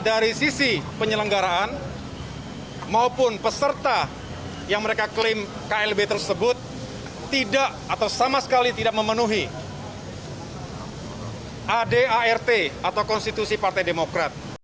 dari sisi penyelenggaraan maupun peserta yang mereka klaim klb tersebut tidak atau sama sekali tidak memenuhi adart atau konstitusi partai demokrat